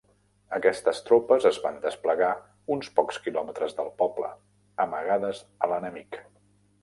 Aquestes tropes es van desplegar uns pocs quilòmetres del poble, amagades a l'enemic.